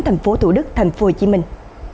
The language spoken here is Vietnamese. thành phố thủ đức thành phố hồ chí minh